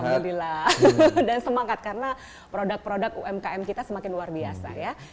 alhamdulillah dan semangat karena produk produk umkm kita semakin luar biasa ya